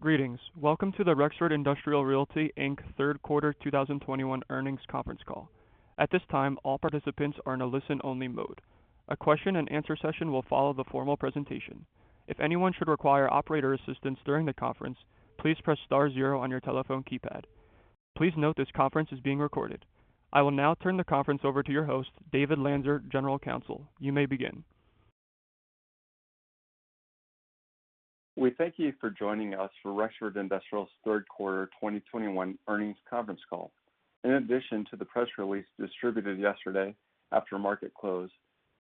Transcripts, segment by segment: Greetings. Welcome to the Rexford Industrial Realty, Inc. Q3 2021 earnings conference call. At this time, all participants are in a listen only mode. A question and answer session will follow the formal presentation. If anyone should require operator assistance during the conference, please press star zero on your telephone keypad. Please note this conference is being recorded. I will now turn the conference over to your host, David Lanzer, General Counsel. You may begin. We thank you for joining us for Rexford Industrial's third quarter 2021 earnings conference call. In addition to the press release distributed yesterday after market close,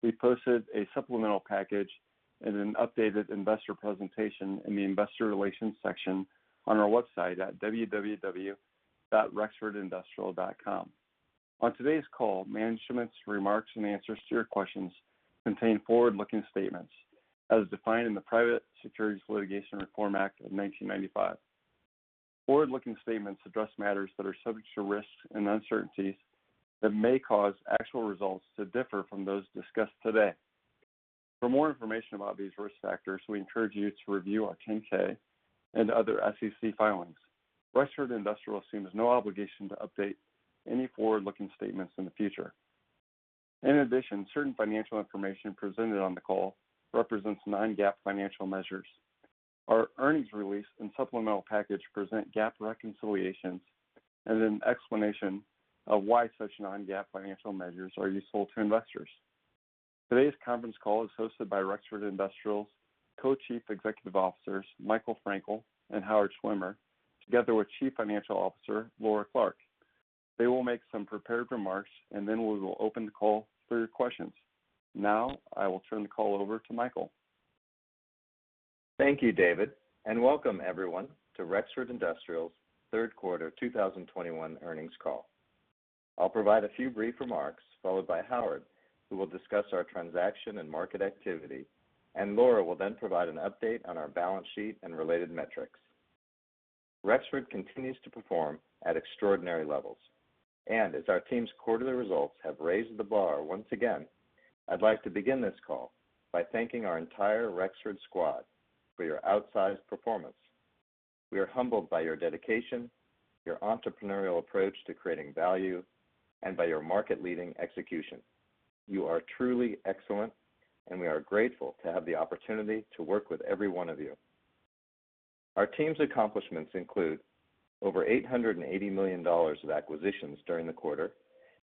we posted a supplemental package and an updated investor presentation in the investor relations section on our website at www.rexfordindustrial.com. On today's call, management's remarks and answers to your questions contain forward-looking statements as defined in the Private Securities Litigation Reform Act of 1995. Forward-looking statements address matters that are subject to risks and uncertainties that may cause actual results to differ from those discussed today. For more information about these risk factors, we encourage you to review our 10-K and other SEC filings. Rexford Industrial assumes no obligation to update any forward-looking statements in the future. In addition, certain financial information presented on the call represents non-GAAP financial measures. Our earnings release and supplemental package present GAAP reconciliations and an explanation of why such non-GAAP financial measures are useful to investors. Today's conference call is hosted by Rexford Industrial's Co-Chief Executive Officers, Michael Frankel and Howard Schwimmer, together with Chief Financial Officer, Laura Clark. They will make some prepared remarks, and then we will open the call for your questions. Now, I will turn the call over to Michael. Thank you, David, and welcome everyone to Rexford Industrial's third quarter 2021 earnings call. I'll provide a few brief remarks followed by Howard, who will discuss our transaction and market activity, and Laura will then provide an update on our balance sheet and related metrics. Rexford continues to perform at extraordinary levels, and as our team's quarterly results have raised the bar once again, I'd like to begin this call by thanking our entire Rexford squad for your outsized performance. We are humbled by your dedication, your entrepreneurial approach to creating value, and by your market leading execution. You are truly excellent, and we are grateful to have the opportunity to work with every one of you. Our team's accomplishments include over $880 million of acquisitions during the quarter,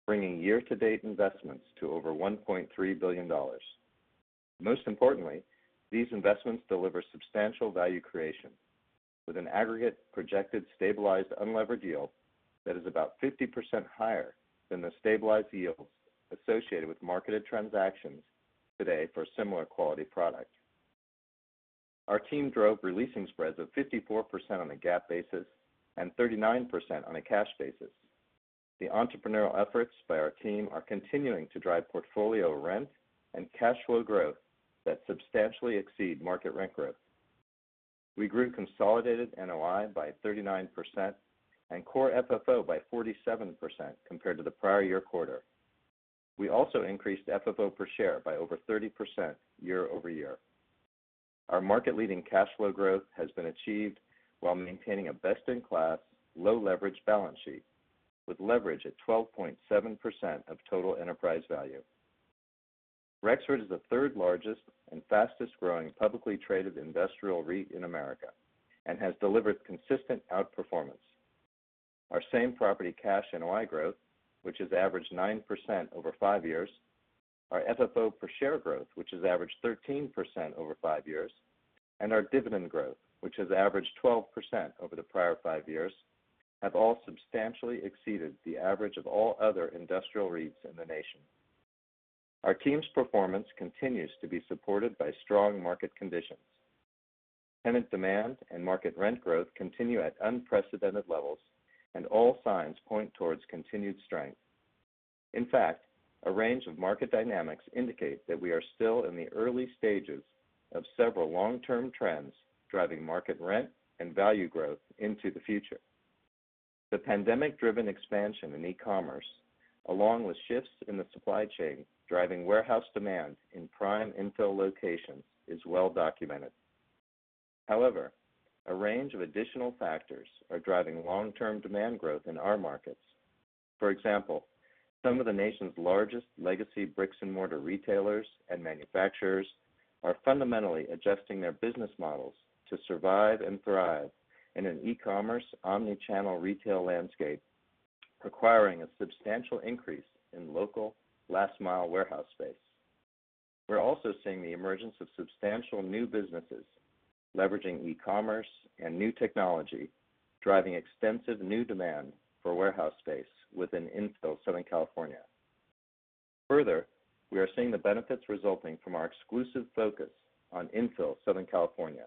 bringing year to date investments to over $1.3 billion. Most importantly, these investments deliver substantial value creation with an aggregate projected stabilized unlevered yield that is about 50% higher than the stabilized yields associated with marketed transactions today for similar quality product. Our team drove releasing spreads of 54% on a GAAP basis and 39% on a cash basis. The entrepreneurial efforts by our team are continuing to drive portfolio rent and cash flow growth that substantially exceed market rent growth. We grew consolidated NOI by 39% and core FFO by 47% compared to the prior year quarter. We also increased FFO per share by over 30% year-over-year. Our market leading cash flow growth has been achieved while maintaining a best in class low leverage balance sheet with leverage at 12.7% of total enterprise value. Rexford is the third largest and fastest growing publicly traded industrial REIT in America and has delivered consistent outperformance. Our same property cash NOI growth, which has averaged 9% over five years, our FFO per share growth, which has averaged 13% over five years, and our dividend growth, which has averaged 12% over the prior five years, have all substantially exceeded the average of all other industrial REITs in the nation. Our team's performance continues to be supported by strong market conditions. Tenant demand and market rent growth continue at unprecedented levels, and all signs point towards continued strength. In fact, a range of market dynamics indicate that we are still in the early stages of several long-term trends driving market rent and value growth into the future. The pandemic driven expansion in e-commerce, along with shifts in the supply chain driving warehouse demand in prime infill locations, is well documented. However, a range of additional factors are driving long-term demand growth in our markets. For example, some of the nation's largest legacy bricks and mortar retailers and manufacturers are fundamentally adjusting their business models to survive and thrive in an e-commerce omni-channel retail landscape, requiring a substantial increase in local last mile warehouse space. We're also seeing the emergence of substantial new businesses leveraging e-commerce and new technology, driving extensive new demand for warehouse space within infill Southern California. Further, we are seeing the benefits resulting from our exclusive focus on infill Southern California,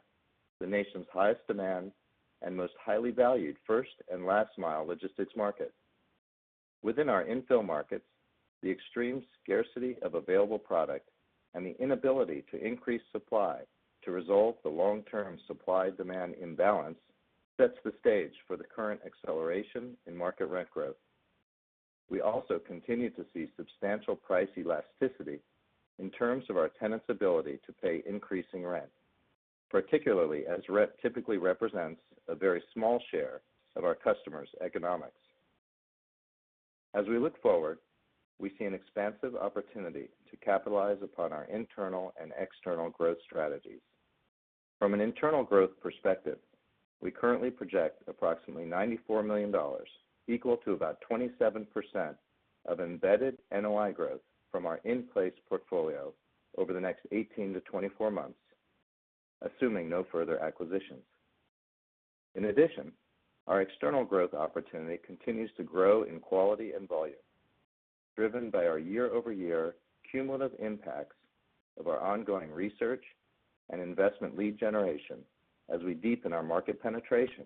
the nation's highest demand and most highly valued first and last mile logistics market. Within our infill markets, the extreme scarcity of available product and the inability to increase supply to resolve the long-term supply demand imbalance sets the stage for the current acceleration in market rent growth. We also continue to see substantial price elasticity in terms of our tenants' ability to pay increasing rent, particularly as rent typically represents a very small share of our customers' economics. As we look forward, we see an expansive opportunity to capitalize upon our internal and external growth strategies. From an internal growth perspective, we currently project approximately $94 million, equal to about 27% of embedded NOI growth from our in-place portfolio over the next 18-24 months, assuming no further acquisitions. In addition, our external growth opportunity continues to grow in quality and volume, driven by our year-over-year cumulative impacts of our ongoing research and investment lead generation as we deepen our market penetration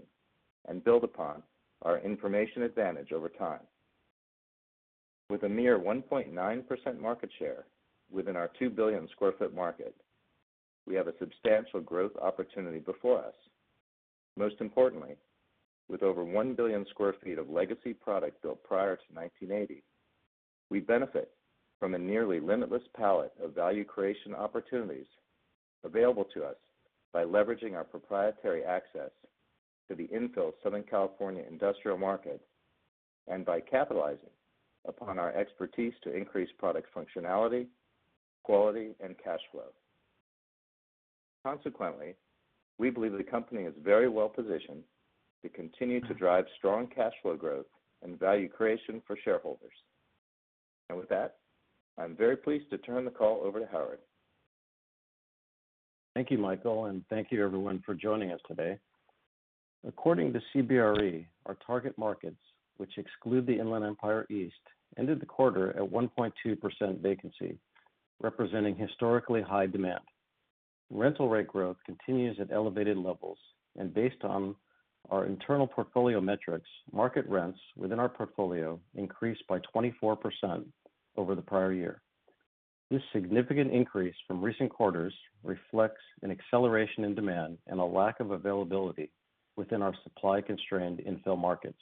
and build upon our information advantage over time. With a mere 1.9% market share within our 2 billion square foot market, we have a substantial growth opportunity before us. Most importantly, with over 1 billion square feet of legacy product built prior to 1980, we benefit from a nearly limitless palette of value creation opportunities available to us by leveraging our proprietary access to the infill Southern California industrial market and by capitalizing upon our expertise to increase product functionality, quality, and cash flow. Consequently, we believe the company is very well positioned to continue to drive strong cash flow growth and value creation for shareholders. With that, I'm very pleased to turn the call over to Howard. Thank you, Michael, and thank you everyone for joining us today. According to CBRE, our target markets, which exclude the Inland Empire East, ended the quarter at 1.2% vacancy, representing historically high demand. Rental rate growth continues at elevated levels. Based on our internal portfolio metrics, market rents within our portfolio increased by 24% over the prior year. This significant increase from recent quarters reflects an acceleration in demand and a lack of availability within our supply-constrained infill markets,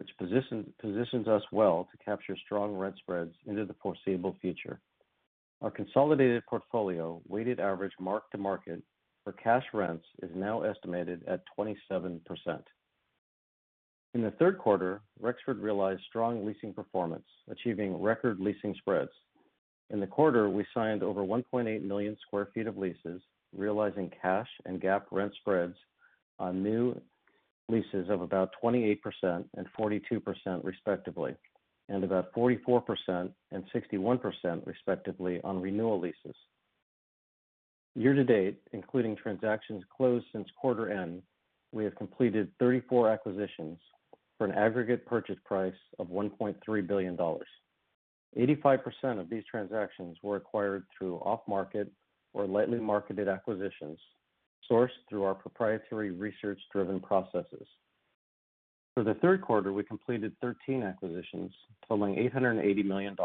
which positions us well to capture strong rent spreads into the foreseeable future. Our consolidated portfolio weighted average mark-to-market for cash rents is now estimated at 27%. In the third quarter, Rexford realized strong leasing performance, achieving record leasing spreads. In the quarter, we signed over 1.8 million sq ft of leases, realizing cash and GAAP rent spreads on new leases of about 28% and 42% respectively, and about 44% and 61% respectively on renewal leases. Year-to-date, including transactions closed since quarter end, we have completed 34 acquisitions for an aggregate purchase price of $1.3 billion. 85% of these transactions were acquired through off-market or lightly marketed acquisitions sourced through our proprietary research-driven processes. For the third quarter, we completed 13 acquisitions totaling $880 million,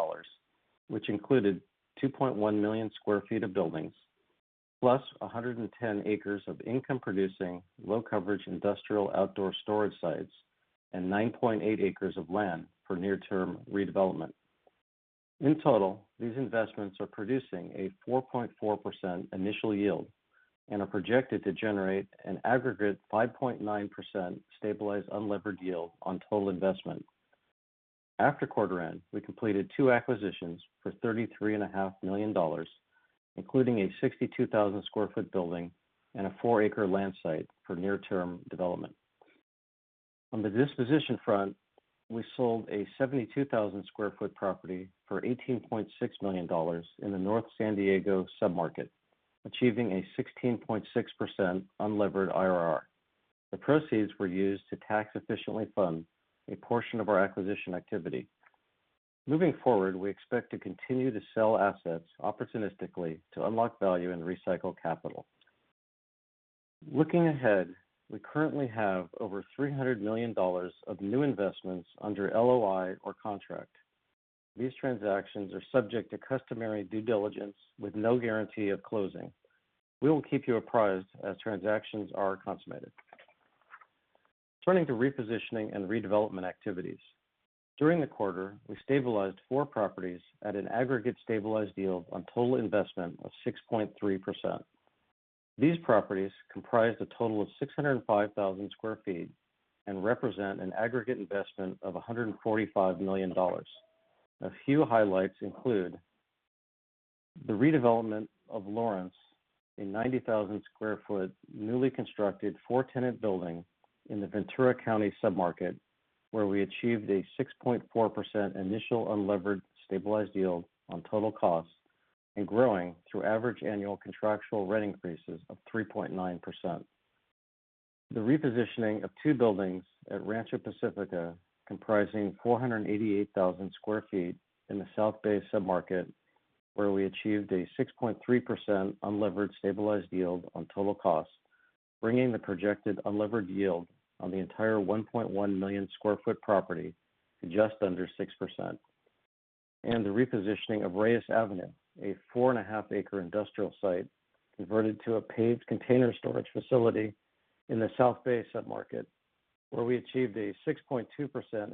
which included 2.1 million sq ft of buildings, plus 110 acres of income-producing, low-coverage industrial outdoor storage sites and 9.8 acres of land for near-term redevelopment. In total, these investments are producing a 4.4% initial yield and are projected to generate an aggregate 5.9% stabilized unlevered yield on total investment. After quarter end, we completed two acquisitions for $33.5 million, including a 62,000 sq ft building and a four acre land site for near-term development. On the disposition front, we sold a 72,000 sq ft property for $18.6 million in the North San Diego submarket, achieving a 16.6% unlevered IRR. The proceeds were used to tax efficiently fund a portion of our acquisition activity. Moving forward, we expect to continue to sell assets opportunistically to unlock value and recycle capital. Looking ahead, we currently have over $300 million of new investments under LOI or contract. These transactions are subject to customary due diligence with no guarantee of closing. We will keep you apprised as transactions are consummated. Turning to repositioning and redevelopment activities. During the quarter, we stabilized four properties at an aggregate stabilized yield on total investment of 6.3%. These properties comprise a total of 605,000 square feet and represent an aggregate investment of $145 million. A few highlights include the redevelopment of Lawrence Drive, a 90,000 square foot, newly constructed four-tenant building in the Ventura County submarket, where we achieved a 6.4% initial unlevered stabilized yield on total cost and growing through average annual contractual rent increases of 3.9%. The repositioning of two buildings at Rancho Pacifica comprising 488,000 square feet in the South Bay submarket, where we achieved a 6.3% unlevered stabilized yield on total cost, bringing the projected unlevered yield on the entire 1.1 million square foot property to just under 6%. The repositioning of Reyes Avenue, a four and a half acre industrial site converted to a paved container storage facility in the South Bay submarket, where we achieved a 6.2%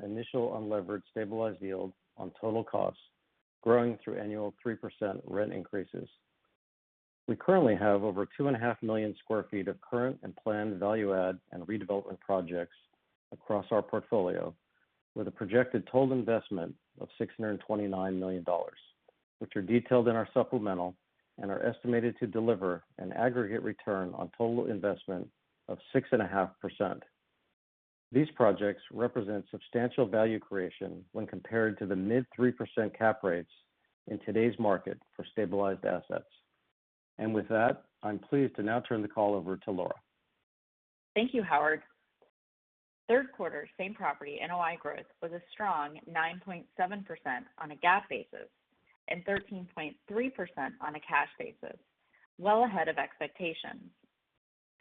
initial unlevered stabilized yield on total costs, growing through annual 3% rent increases. We currently have over 2.5 million square feet of current and planned value add and redevelopment projects across our portfolio, with a projected total investment of $629 million, which are detailed in our supplemental and are estimated to deliver an aggregate return on total investment of 6.5%. These projects represent substantial value creation when compared to the mid 3% cap rates in today's market for stabilized assets. With that, I'm pleased to now turn the call over to Laura. Thank you, Howard. Third quarter same property NOI growth was a strong 9.7% on a GAAP basis and 13.3% on a cash basis, well ahead of expectations.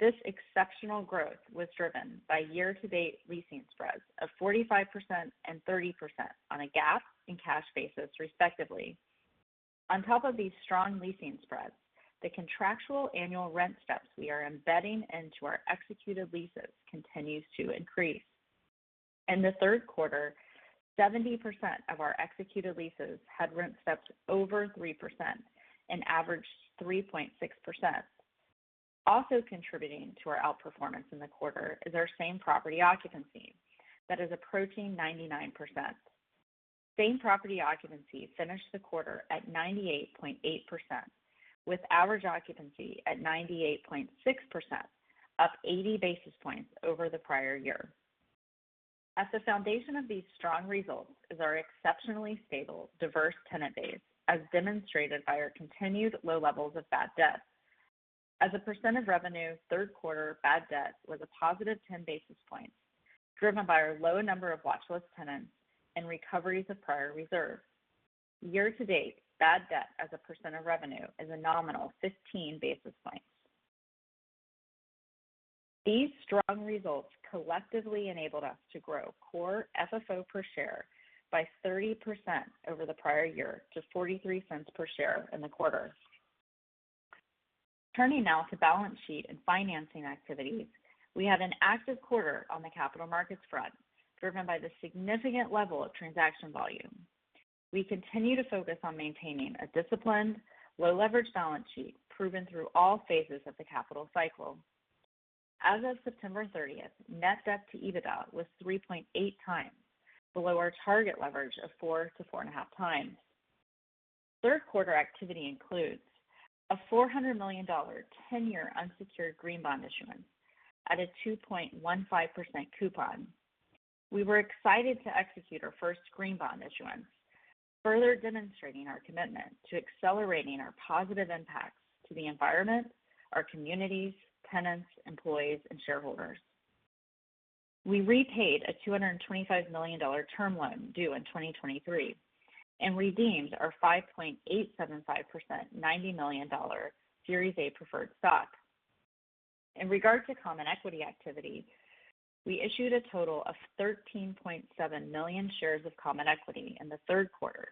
This exceptional growth was driven by year-to-date leasing spreads of 45% and 30% on a GAAP and cash basis, respectively. On top of these strong leasing spreads, the contractual annual rent steps we are embedding into our executed leases continues to increase. In the third quarter, 70% of our executed leases had rent steps over 3% and averaged 3.6%. Also contributing to our outperformance in the quarter is our same property occupancy that is approaching 99%. Same property occupancy finished the quarter at 98.8%, with average occupancy at 98.6%, up 80 basis points over the prior year. At the foundation of these strong results is our exceptionally stable, diverse tenant base, as demonstrated by our continued low levels of bad debt. As a % of revenue, third quarter bad debt was a +10 basis points, driven by our low number of watch list tenants and recoveries of prior reserve. Year to date, bad debt as a % of revenue is a nominal 15 basis points. These strong results collectively enabled us to grow core FFO per share by 30% over the prior year to $0.43 per share in the quarter. Turning now to balance sheet and financing activities. We had an active quarter on the capital markets front, driven by the significant level of transaction volume. We continue to focus on maintaining a disciplined, low leverage balance sheet, proven through all phases of the capital cycle. As of September 30th, net debt to EBITDA was 3.8 times, below our target leverage of 4-4.5 times. Third quarter activity includes a $400 million 10-year unsecured green bond issuance at a 2.15% coupon. We were excited to execute our first green bond issuance, further demonstrating our commitment to accelerating our positive impacts to the environment, our communities, tenants, employees and shareholders. We repaid a $225 million term loan due in 2023 and redeemed our 5.875% $90 million Series A preferred stock. In regard to common equity activity, we issued a total of 13.7 million shares of common equity in the third quarter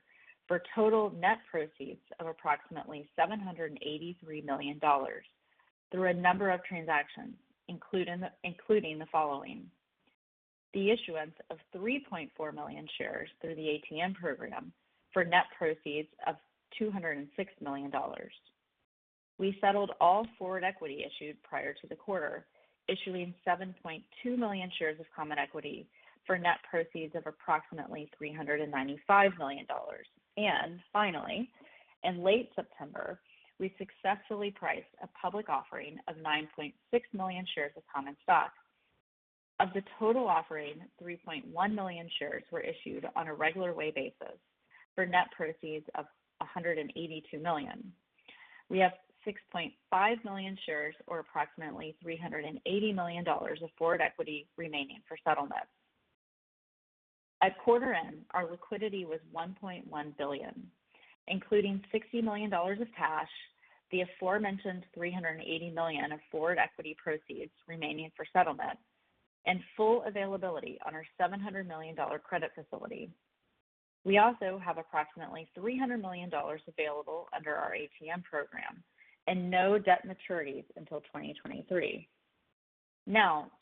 for total net proceeds of approximately $783 million through a number of transactions, including the following. The issuance of 3.4 million shares through the ATM program for net proceeds of $206 million. We settled all forward equity issued prior to the quarter, issuing 7.2 million shares of common equity for net proceeds of approximately $395 million. Finally, in late September, we successfully priced a public offering of 9.6 million shares of common stock. Of the total offering, 3.1 million shares were issued on a regular way basis for net proceeds of $182 million. We have 6.5 million shares or approximately $380 million of forward equity remaining for settlement. At quarter end, our liquidity was $1.1 billion, including $60 million of cash, the aforementioned $380 million of forward equity proceeds remaining for settlement, and full availability on our $700 million credit facility. We also have approximately $300 million available under our ATM program and no debt maturities until 2023.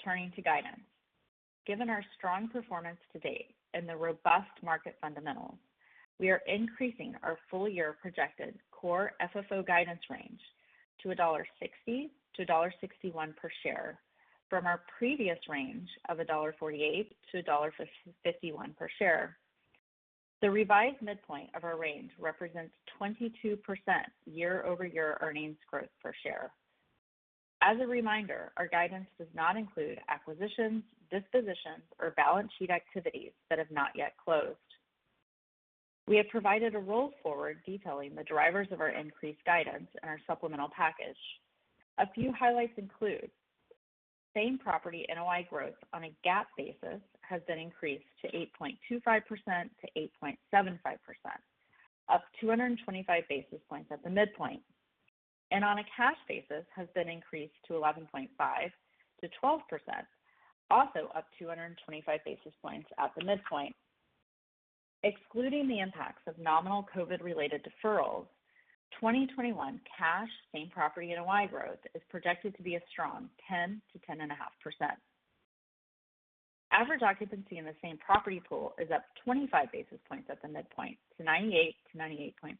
Turning to guidance. Given our strong performance to date and the robust market fundamentals, we are increasing our full year projected core FFO guidance range to $1.60-$1.61 per share from our previous range of $1.48-$1.51 per share. The revised midpoint of our range represents 22% year-over-year earnings growth per share. As a reminder, our guidance does not include acquisitions, dispositions, or balance sheet activities that have not yet closed. We have provided a roll forward detailing the drivers of our increased guidance in our supplemental package. A few highlights include same property NOI growth on a GAAP basis has been increased to 8.25%-8.75%, up 225 basis points at the midpoint. On a cash basis has been increased to 11.5%-12%, also up 225 basis points at the midpoint. Excluding the impacts of nominal COVID related deferrals, 2021 cash same property NOI growth is projected to be a strong 10%-10.5%. Average occupancy in the same property pool is up 25 basis points at the midpoint to 98%-98.5%.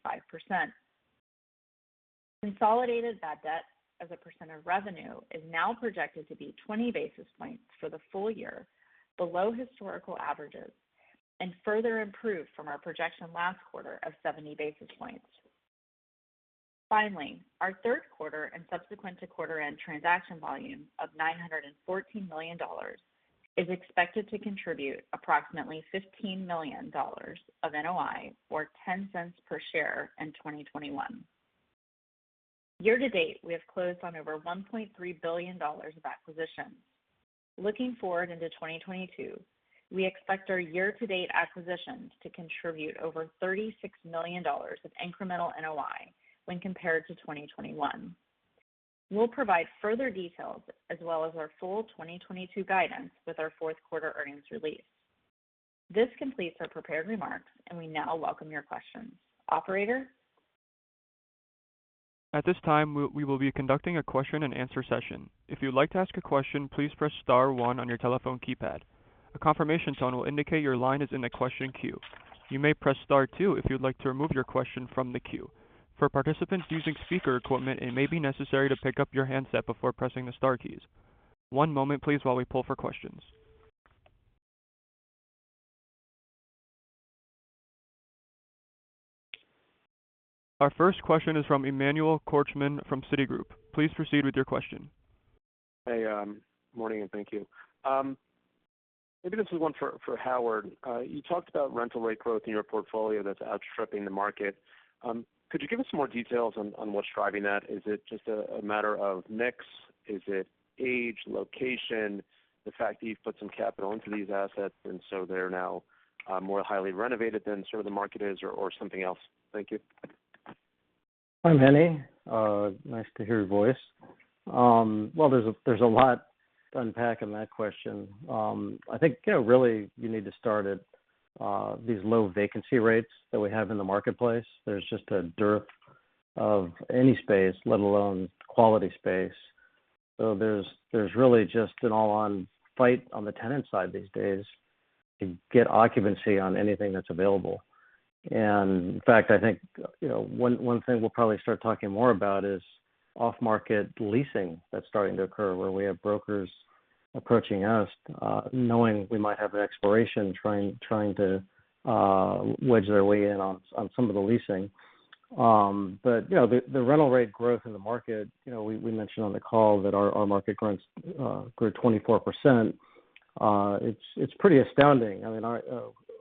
Consolidated bad debt as a % of revenue is now projected to be 20 basis points for the full year below historical averages, and further improved from our projection last quarter of 70 basis points. Finally, our third quarter and subsequent to quarter end transaction volume of $914 million is expected to contribute approximately $15 million of NOI or $0.10 per share in 2021. Year to date, we have closed on over $1.3 billion of acquisitions. Looking forward into 2022, we expect our year to date acquisitions to contribute over $36 million of incremental NOI when compared to 2021. We'll provide further details as well as our full 2022 guidance with our fourth quarter earnings release. This completes our prepared remarks, and we now welcome your questions. Operator. At this time we would be conducting a question and answer section, if you like to ask a question please press star one your telephone keypad, the confirmation tone indicate your line is the question queue, you may press star two if you would like to remove your question from the queue, from participants using speaker equipment and maybe necessary to pick up your handset before pressing the star keys. One moment please while we pull for questions. Our first question is from Emmanuel Korchman from Citigroup. Please proceed with your question. Morning, thank you. Maybe this is one for Howard. You talked about rental rate growth in your portfolio that's outstripping the market. Could you give us some more details on what's driving that? Is it just a matter of mix? Is it age, location, the fact that you've put some capital into these assets, and so they're now more highly renovated than some of the market is, or something else? Thank you. Hi, Manny. Nice to hear your voice. There's a lot to unpack in that question. I think really you need to start at these low vacancy rates that we have in the marketplace. There's just a dearth of any space, let alone quality space. There's really just an all on fight on the tenant side these days to get occupancy on anything that's available. In fact, I think, one thing we'll probably start talking more about is off market leasing that's starting to occur, where we have brokers approaching us, knowing we might have an expiration, trying to wedge their way in on some of the leasing. The rental rate growth in the market, we mentioned on the call that our own market grew 24%. It's pretty astounding. I mean,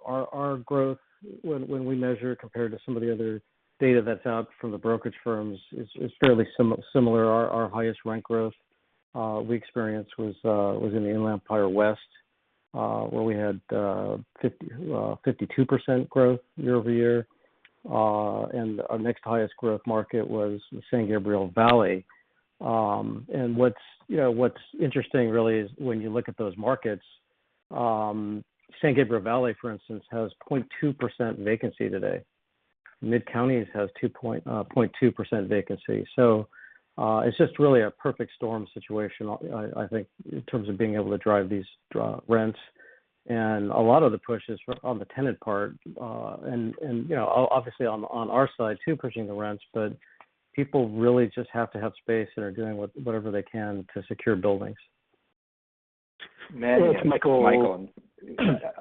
our growth, when we measure compared to some of the other data that's out from the brokerage firms, is fairly similar. Our highest rent growth we experienced was in the Inland Empire West, where we had 52% growth year-over-year. Our next highest growth market was the San Gabriel Valley. What's interesting really is when you look at those markets, San Gabriel Valley, for instance, has 0.2% vacancy today. Mid-Counties has 0.2% vacancy. It's just really a perfect storm situation, I think, in terms of being able to drive these rents. A lot of the push is on the tenant part, and obviously on our side too, pushing the rents. People really just have to have space and are doing whatever they can to secure buildings. Manny, it's Michael.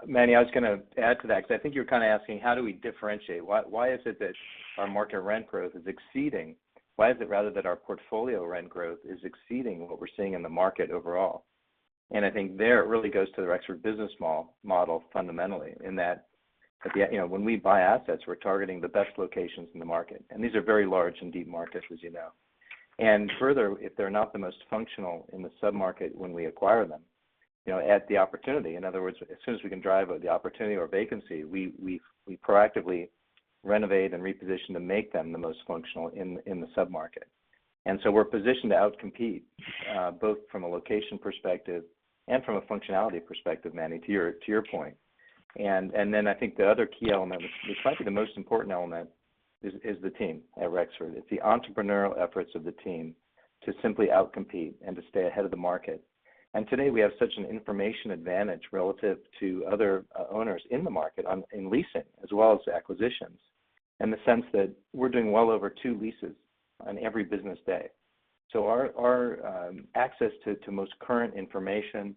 Manny, I was going to add to that because I think you're kind of asking how do we differentiate. Why is it that our market rent growth is exceeding Why is it rather that our portfolio rent growth is exceeding what we're seeing in the market overall? I think there it really goes to the Rexford business model fundamentally, in that when we buy assets, we're targeting the best locations in the market, and these are very large and deep markets, as you know. Further, if they're not the most functional in the sub-market when we acquire them, at the opportunity. In other words, as soon as we can drive the opportunity or vacancy, we proactively renovate and reposition to make them the most functional in the sub-market. We're positioned to outcompete, both from a location perspective and from a functionality perspective, Manny, to your point. I think the other key element, which might be the most important element, is the team at Rexford. It's the entrepreneurial efforts of the team to simply outcompete and to stay ahead of the market. Today, we have such an information advantage relative to other owners in the market in leasing as well as acquisitions, in the sense that we're doing well over two leases on every business day. Our access to most current information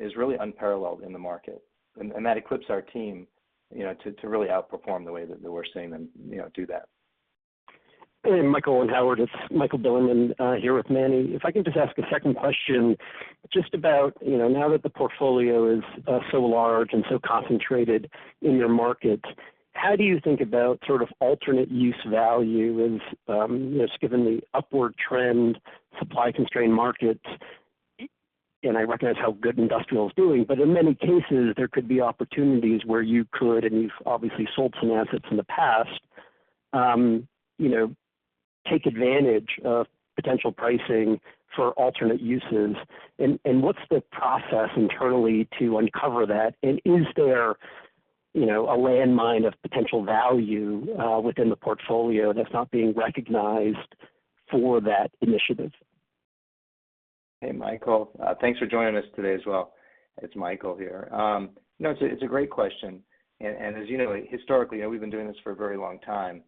is really unparalleled in the market, and that equips our team to really outperform the way that we're seeing them do that. Hey, Michael and Howard, it's Michael Bilerman here with Manny. If I can just ask a second question, just about now that the portfolio is so large and so concentrated in your markets, how do you think about sort of alternate use value as given the upward trend, supply constrained markets. I recognize how good industrial is doing, but in many cases, there could be opportunities where you could, and you've obviously sold some assets in the past, take advantage of potential pricing for alternate uses. What's the process internally to uncover that? Is there a landmine of potential value within the portfolio that's not being recognized for that initiative? Hey, Michael. Thanks for joining us today as well. It's Michael here. No, it's a great question. As you know, historically, we've been doing this for a very long time.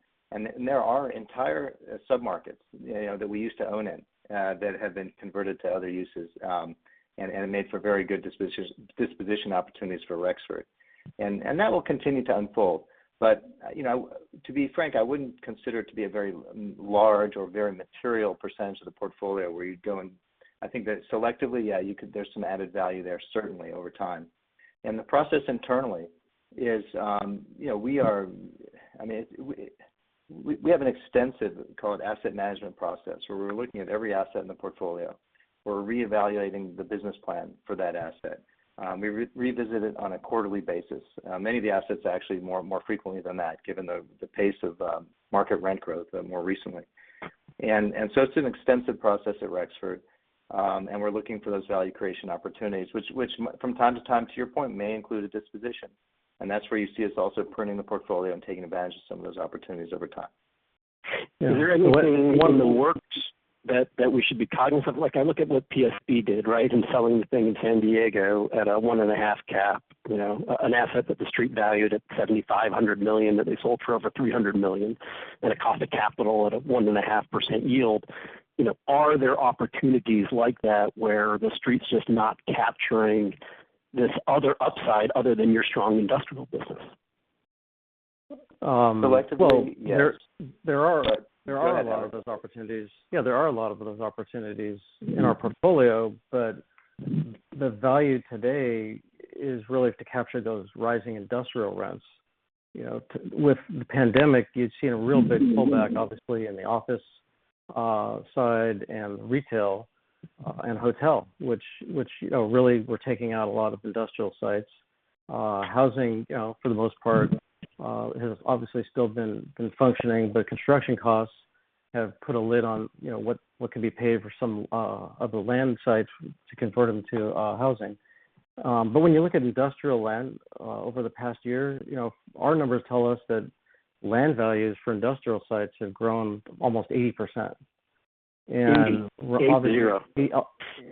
There are entire sub-markets that we used to own in, that have been converted to other uses, and have made for very good disposition opportunities for Rexford. That will continue to unfold. To be frank, I wouldn't consider it to be a very large or very material percentage of the portfolio where you'd go and I think that selectively, yeah, there's some added value there certainly over time. The process internally is, we have an extensive, call it asset management process, where we're looking at every asset in the portfolio. We're reevaluating the business plan for that asset. We revisit it on a quarterly basis. Many of the assets, actually more frequently than that, given the pace of market rent growth more recently. It's an extensive process at Rexford. We're looking for those value creation opportunities, which from time to time, to your point, may include a disposition. That's where you see us also pruning the portfolio and taking advantage of some of those opportunities over time. Is there any one in the works that we should be cognizant of? Like I look at what PSP did, right? In selling the thing in San Diego at a one and a half cap, an asset that the street valued at $7,500 million that they sold for over $300 million, and it cost a capital at a 1.5% yield. Are there opportunities like that where the street's just not capturing this other upside other than your strong industrial business? Selectively, yes. Well. Go ahead, Howard. A lot of those opportunities. Yeah, there are a lot of those opportunities in our portfolio, but the value today is really to capture those rising industrial rents. With the pandemic, you've seen a real big pullback, obviously, in the office side and retail, and hotel, which really were taking out a lot of industrial sites. Housing, for the most part, has obviously still been functioning, construction costs have put a lid on what could be paid for some of the land sites to convert them to housing. When you look at industrial land over the past year, our numbers tell us that land values for industrial sites have grown almost 80%. 80? [8.0].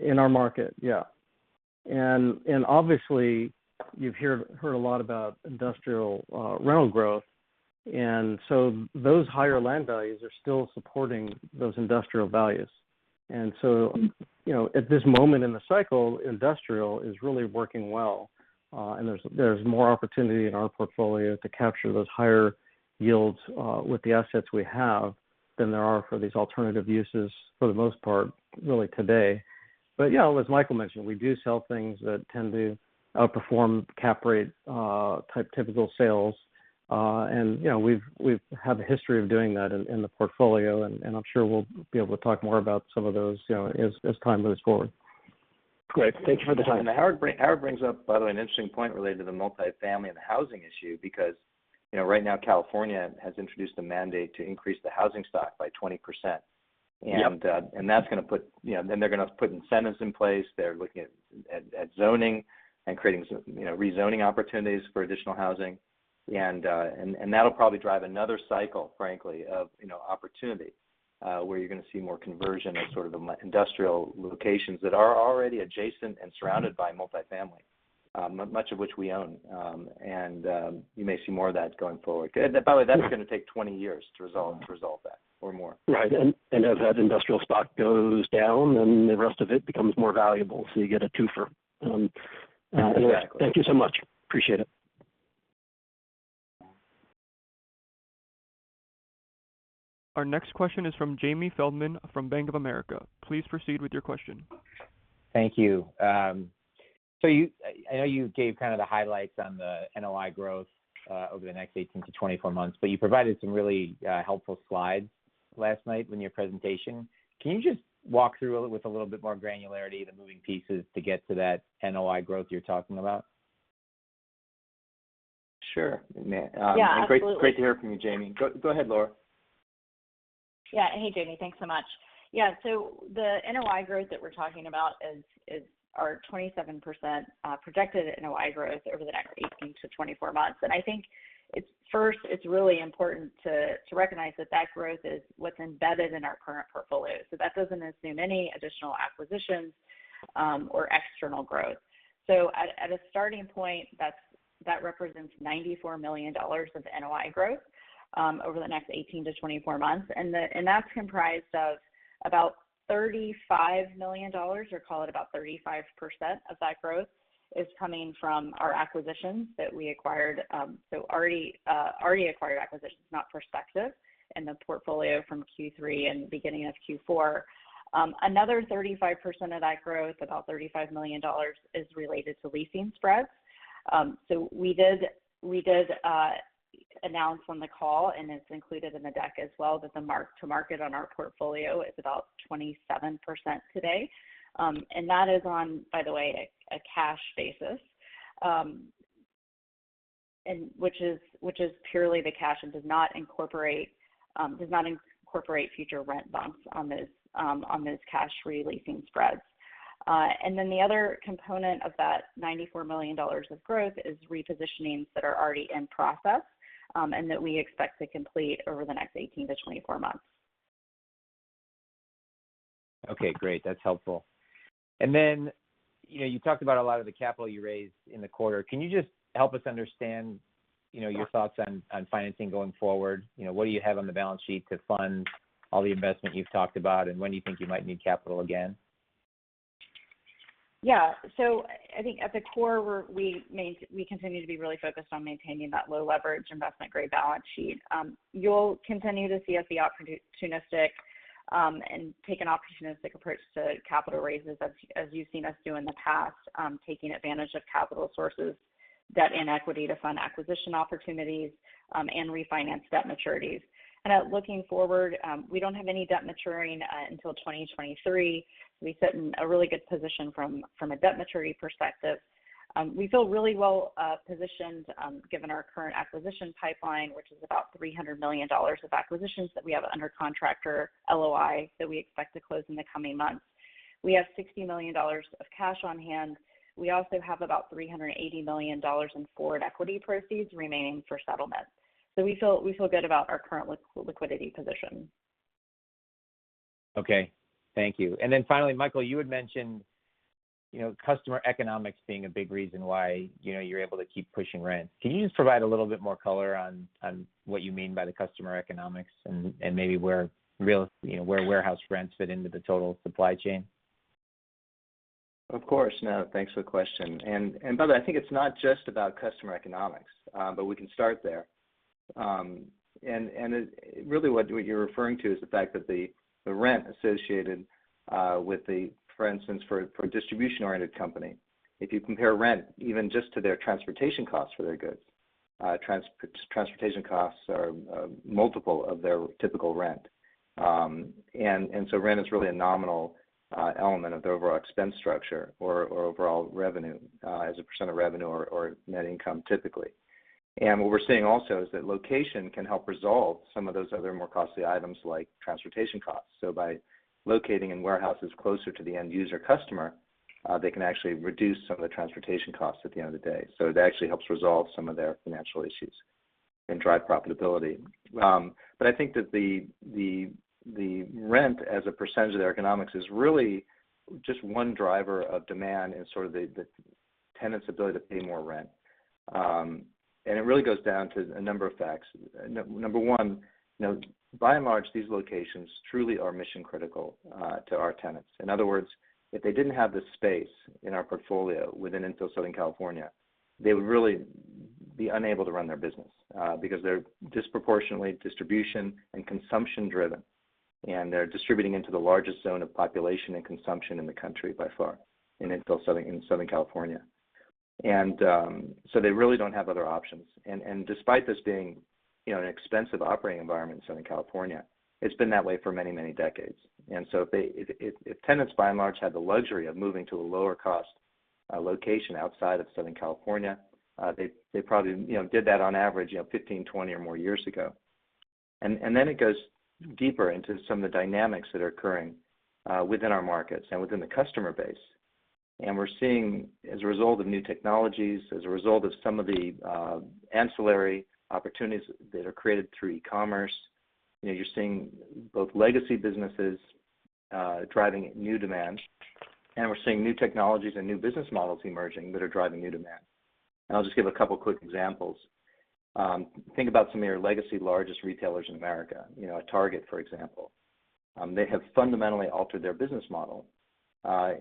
In our market, yeah. Obviously, you've heard a lot about industrial rental growth. So those higher land values are still supporting those industrial values. So, at this moment in the cycle, industrial is really working well. There's more opportunity in our portfolio to capture those higher yields with the assets we have than there are for these alternative uses for the most part, really today. Yeah, as Michael mentioned, we do sell things that tend to outperform cap rate type typical sales. We've had the history of doing that in the portfolio, and I'm sure we'll be able to talk more about some of those as time moves forward. Great. Thank you for the time. Howard brings up, by the way, an interesting point related to the multifamily and the housing issue, because right now California has introduced a mandate to increase the housing stock by 20%. Yep. They're going to put incentives in place. They're looking at zoning and creating some rezoning opportunities for additional housing. That'll probably drive another cycle, frankly, of opportunity, where you're going to see more conversion of sort of the industrial locations that are already adjacent and surrounded by multifamily, much of which we own. You may see more of that going forward. By the way, that's going to take 20 years to resolve that, or more. Right. As that industrial stock goes down, then the rest of it becomes more valuable, so you get a two-fer. Exactly. Thank you so much. Appreciate it. Our next question is from Jamie Feldman from Bank of America. Please proceed with your question. Thank you. I know you gave kind of the highlights on the NOI growth over the next 18 to 24 months, but you provided some really helpful slides last night in your presentation. Can you just walk through it with a little bit more granularity, the moving pieces to get to that NOI growth you're talking about? Sure. Ma'am. Yeah, absolutely. Great to hear from you, Jamie. Go ahead, Laura. Hey, Jamie. Thanks so much. The NOI growth that we're talking about are 27% projected NOI growth over the next 18-24 months. I think first it's really important to recognize that that growth is what's embedded in our current portfolio. That doesn't assume any additional acquisitions or external growth. At a starting point, that represents $94 million of NOI growth over the next 18-24 months. That's comprised of about $35 million, or call it about 35% of that growth, is coming from our acquisitions that we acquired. Already acquired acquisitions, not prospective, in the portfolio from Q3 and beginning of Q4. Another 35% of that growth, about $35 million, is related to leasing spreads. We announced on the call, and it's included in the deck as well, that the mark-to-market on our portfolio is about 27% today. That is on, by the way, a cash basis, which is purely the cash and does not incorporate future rent bumps on those cash-releasing spreads. The other component of that $94 million of growth is repositionings that are already in process, and that we expect to complete over the next 18-24 months. Okay, great. That's helpful. You talked about a lot of the capital you raised in the quarter. Can you just help us understand your thoughts on financing going forward? What do you have on the balance sheet to fund all the investment you've talked about, and when do you think you might need capital again? Yeah. I think at the core, we continue to be really focused on maintaining that low leverage investment-grade balance sheet. You'll continue to see us be opportunistic, and take an opportunistic approach to capital raises as you've seen us do in the past, taking advantage of capital sources, debt, and equity to fund acquisition opportunities, and refinance debt maturities. Looking forward, we don't have any debt maturing until 2023. We sit in a really good position from a debt maturity perspective. We feel really well positioned given our current acquisition pipeline, which is about $300 million of acquisitions that we have under contract or LOI that we expect to close in the coming months. We have $60 million of cash on-hand. We also have about $380 million in forward equity proceeds remaining for settlement. We feel good about our current liquidity position. Okay, thank you. Finally, Michael, you had mentioned customer economics being a big reason why you're able to keep pushing rent. Can you just provide a little bit more color on what you mean by the customer economics and maybe where warehouse rents fit into the total supply chain? Of course. Thanks for the question. By the way, I think it's not just about customer economics, but we can start there. Really what you're referring to is the fact that the rent associated with the, for instance, for a distribution-oriented company, if you compare rent even just to their transportation costs for their goods, transportation costs are a multiple of their typical rent. Rent is really a nominal element of the overall expense structure or overall revenue as a % of revenue or net income typically. What we're seeing also is that location can help resolve some of those other more costly items like transportation costs. By locating in warehouses closer to the end user customer, they can actually reduce some of the transportation costs at the end of the day. It actually helps resolve some of their financial issues and drive profitability. I think that the rent as a percentage of their economics is really just one driver of demand and sort of the tenant's ability to pay more rent. It really goes down to a number of facts. Number one, by and large, these locations truly are mission-critical to our tenants. In other words, if they didn't have the space in our portfolio within infill Southern California, they would really be unable to run their business. They're disproportionately distribution and consumption driven, and they're distributing into the largest zone of population and consumption in the country by far in infill Southern California. They really don't have other options. Despite this being an expensive operating environment in Southern California, it's been that way for many, many decades. If tenants by and large had the luxury of moving to a lower cost location outside of Southern California, they probably did that on average 15, 20, or more years ago. It goes deeper into some of the dynamics that are occurring within our markets and within the customer base. We're seeing as a result of new technologies, as a result of some of the ancillary opportunities that are created through e-commerce, you're seeing both legacy businesses driving new demand, and we're seeing new technologies and new business models emerging that are driving new demand. I'll just give a couple quick examples. Think about some of your legacy largest retailers in America. A Target, for example. They have fundamentally altered their business model. They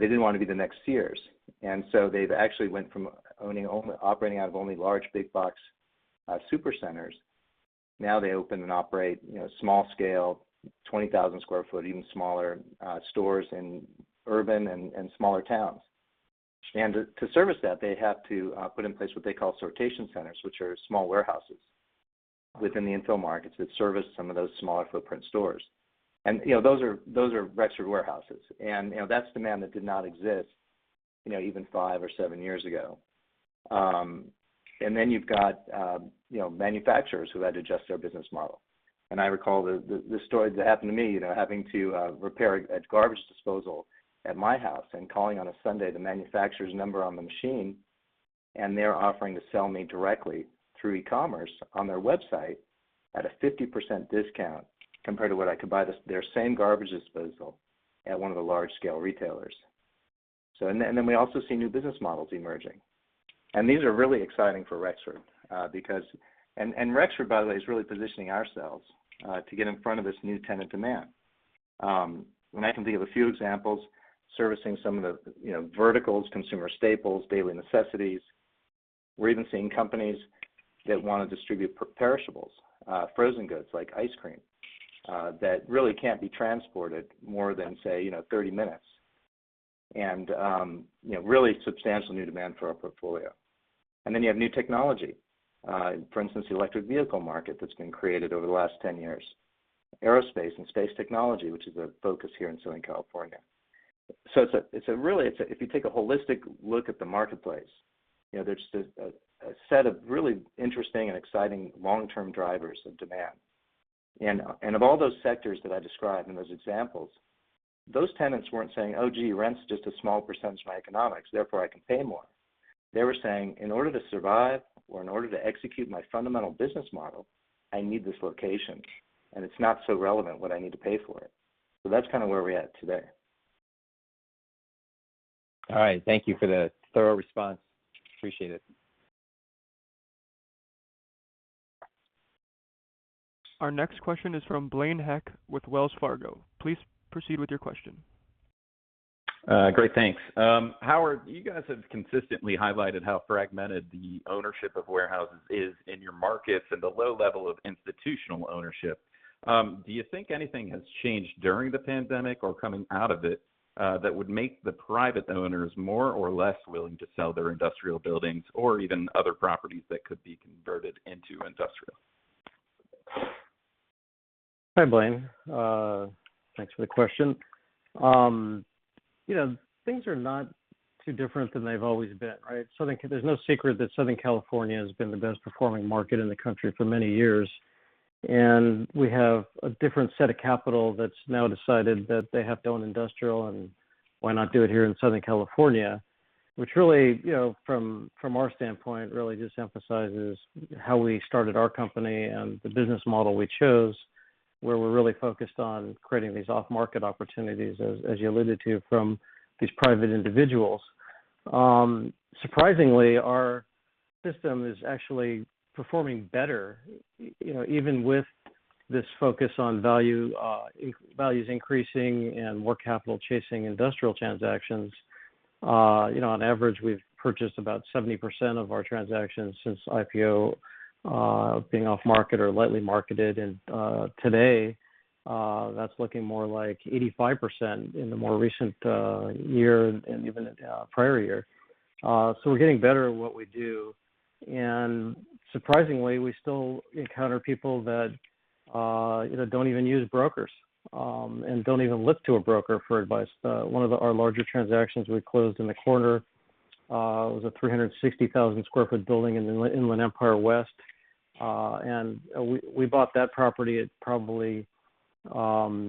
didn't want to be the next Sears. They've actually went from operating out of only large big box super centers. Now they open and operate small scale, 20,000 sq ft, even smaller stores in urban and smaller towns. To service that, they have to put in place what they call sortation centers, which are small warehouses within the infill markets that service some of those smaller footprint stores. Those are Rexford warehouses. That's demand that did not exist even five or seven years ago. Then you've got manufacturers who had to adjust their business model. I recall the story that happened to me, having to repair a garbage disposal at my house and calling on a Sunday the manufacturer's number on the machine, they're offering to sell me directly through e-commerce on their website at a 50% discount compared to what I could buy their same garbage disposal at one of the large-scale retailers. Then we also see new business models emerging. These are really exciting for Rexford. Rexford, by the way, is really positioning ourselves to get in front of this new tenant demand. I can think of a few examples, servicing some of the verticals, consumer staples, daily necessities. We're even seeing companies that want to distribute perishables, frozen goods like ice cream, that really can't be transported more than, say, 30 minutes. Really substantial new demand for our portfolio. Then you have new technology, for instance, the electric vehicle market that's been created over the last 10 years. Aerospace and space technology, which is a focus here in Southern California. Really, if you take a holistic look at the marketplace, there's just a set of really interesting and exciting long-term drivers of demand. Of all those sectors that I described and those examples, those tenants weren't saying, "Oh, gee, rent's just a small percentage of my economics, therefore I can pay more." They were saying, "In order to survive or in order to execute my fundamental business model, I need this location, and it's not so relevant what I need to pay for it." That's kind of where we're at today. All right. Thank you for the thorough response. Appreciate it. Our next question is from Blaine Heck with Wells Fargo. Please proceed with your question. Great, thanks. Howard, you guys have consistently highlighted how fragmented the ownership of warehouses is in your markets and the low level of institutional ownership. Do you think anything has changed during the pandemic or coming out of it, that would make the private owners more or less willing to sell their industrial buildings or even other properties that could be converted into industrial? Hi, Blaine. Thanks for the question. Things are not too different than they've always been, right? There's no secret that Southern California has been the best-performing market in the country for many years. We have a different set of capital that's now decided that they have to own industrial, and why not do it here in Southern California, which really, from our standpoint, really just emphasizes how we started our company and the business model we chose, where we're really focused on creating these off-market opportunities, as you alluded to, from these private individuals. Surprisingly, our system is actually performing better, even with this focus on values increasing and more capital chasing industrial transactions. On average, we've purchased about 70% of our transactions since IPO, being off-market or lightly marketed. Today, that's looking more like 85% in the more recent year and even the prior year. We're getting better at what we do, and surprisingly, we still encounter people that don't even use brokers, and don't even look to a broker for advice. One of our larger transactions we closed in the quarter was a 360,000 sq ft building in the Inland Empire West. We bought that property at probably 40%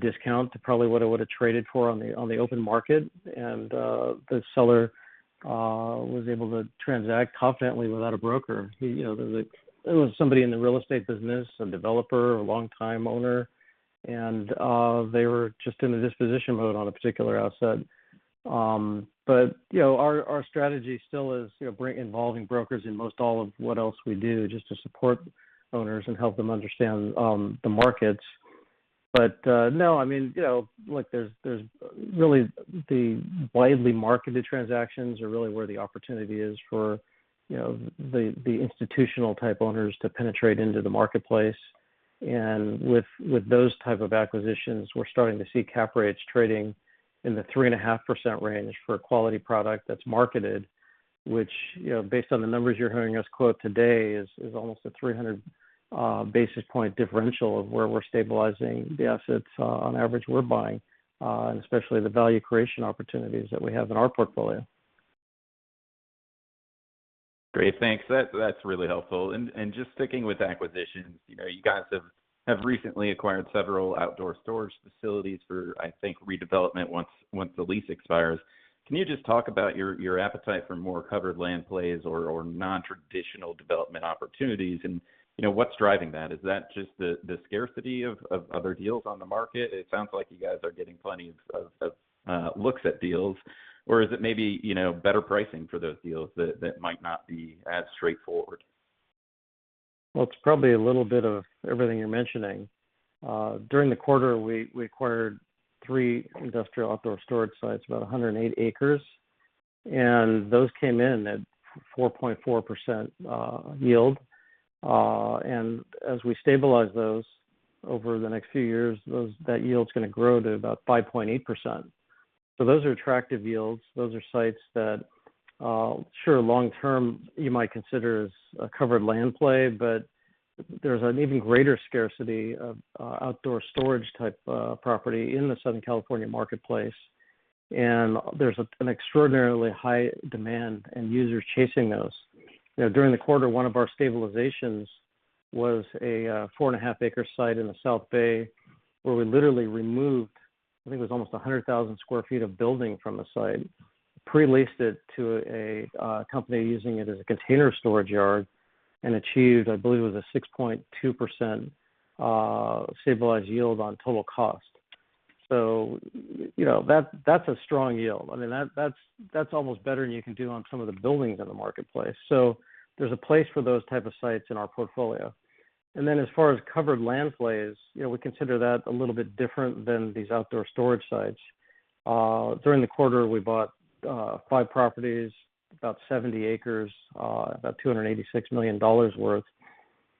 discount to probably what it would've traded for on the open market. The seller was able to transact confidently without a broker. It was somebody in the real estate business, a developer, a longtime owner, and they were just in a disposition mode on a particular asset. Our strategy still is involving brokers in most all of what else we do, just to support owners and help them understand the markets. No, look, there's really the widely marketed transactions are really where the opportunity is for the institutional-type owners to penetrate into the marketplace. With those type of acquisitions, we're starting to see cap rates trading in the 3.5% range for a quality product that's marketed, which, based on the numbers you're hearing us quote today, is almost a 300 basis point differential of where we're stabilizing the assets, on average, we're buying. Especially the value creation opportunities that we have in our portfolio. Great, thanks. That's really helpful. Just sticking with acquisitions, you guys have recently acquired several outdoor storage facilities for, I think, redevelopment once the lease expires. Can you just talk about your appetite for more covered land plays or non-traditional development opportunities? What's driving that? Is that just the scarcity of other deals on the market? It sounds like you guys are getting plenty of looks at deals. Is it maybe better pricing for those deals that might not be as straightforward? Well, it's probably a little bit of everything you're mentioning. During the quarter, we acquired 3 industrial outdoor storage sites, about 108 acres. Those came in at 4.4% yield. As we stabilize those over the next few years, that yield's going to grow to about 5.8%. Those are attractive yields. Those are sites that, sure, long term, you might consider as a covered land play, but there's an even greater scarcity of outdoor storage type property in the Southern California marketplace. There's an extraordinarily high demand and users chasing those. During the quarter, one of our stabilizations was a 4.5 acre site in the South Bay, where we literally removed, I think it was almost 100,000 sq ft of building from the site. Pre-leased it to a company using it as a container storage yard and achieved, I believe it was a 6.2% stabilized yield on total cost. That's a strong yield. That's almost better than you can do on some of the buildings in the marketplace. There's a place for those type of sites in our portfolio. As far as covered land plays, we consider that a little bit different than these outdoor storage sites. During the quarter, we bought five properties, about 70 acres, about $286 million worth.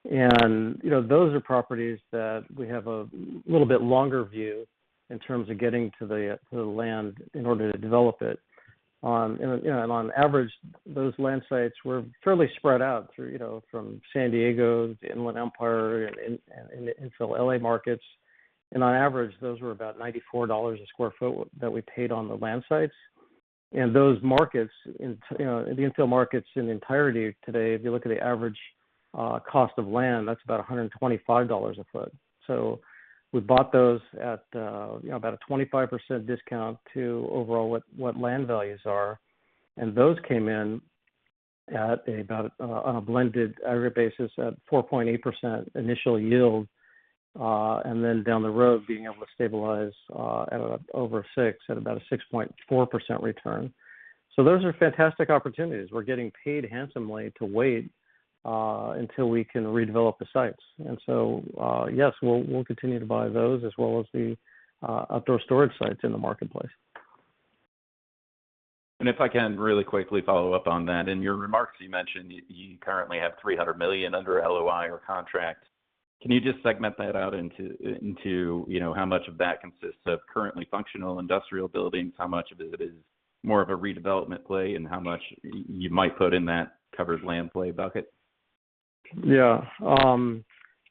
Those are properties that we have a little bit longer view in terms of getting to the land in order to develop it. On average, those land sites were fairly spread out from San Diego to Inland Empire and infill L.A. markets. On average, those were about $94 a square foot that we paid on the land sites. Those markets, the infill markets in entirety today, if you look at the average cost of land, that's about $125 a foot. We bought those at about a 25% discount to overall what land values are. Those came in at about, on a blended average basis, at 4.8% initial yield. Then down the road, being able to stabilize at over six, at about a 6.4% return. Those are fantastic opportunities. We're getting paid handsomely to wait until we can redevelop the sites. Yes, we'll continue to buy those as well as the outdoor storage sites in the marketplace. If I can really quickly follow up on that. In your remarks, you mentioned you currently have $300 million under LOI or contract. Can you just segment that out into how much of that consists of currently functional industrial buildings, how much of it is more of a redevelopment play, and how much you might put in that covered land play bucket? Yeah.